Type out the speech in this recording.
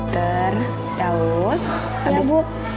terdauus abis kerjain pek